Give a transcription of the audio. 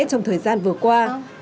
trong thời gian vừa qua